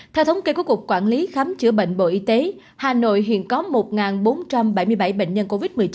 theo thống kê của cục quản lý khám chữa bệnh bộ y tế hà nội hiện có một bốn trăm bảy mươi bảy bệnh nhân covid một mươi chín